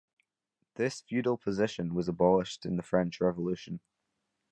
This feudal position was abolished in the French Revolution.